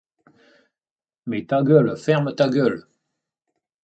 Mais ta gueule, ferme ta gueule !